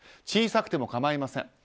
小さくてもかまいません。